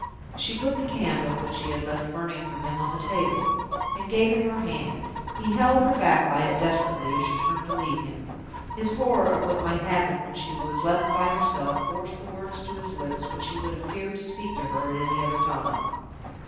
She put the candle (which she had left burning for him) on the table, and gave him her hand. He held her back by it desperately as she turned to leave him. His horror of what might happen when she was left by herself forced the words to his lips which he would have feared to speak to her at any other time.